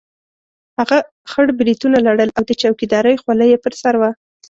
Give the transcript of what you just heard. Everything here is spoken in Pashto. هغه خړ برېتونه لرل او د چوکیدارۍ خولۍ یې پر سر وه.